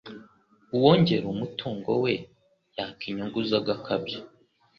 Uwongera umutungo we yaka inyungu z’agakabyo